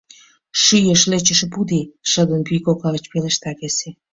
— Шӱеш лӧчышӧ пудий! — шыдын, пӱй кокла гыч пелешта весе.